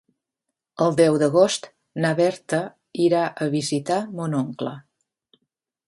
El deu d'agost na Berta irà a visitar mon oncle.